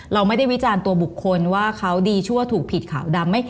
เราไม่ได้วิจารณ์ตัวบุคคลว่าเขาดีชั่วถูกผิดขาวดำ